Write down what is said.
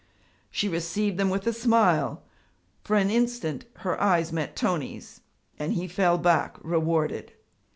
She received them with a smile; for an instant her eyes met Tony's, and he fell back, rewarded.